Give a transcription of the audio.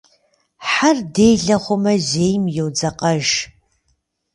Хьэр делэ хъумэ зейм йодзэкъэж.